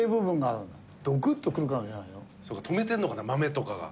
そうか止めてるのかな豆とかが。